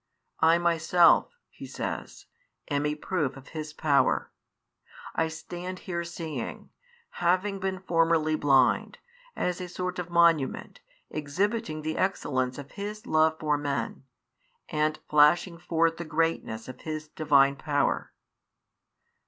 I myself, he says, am a proof of His power: I stand here seeing, having been formerly blind, as a sort of monument, exhibiting the excellence of His love for men, and flashing forth the greatness of His Divine power.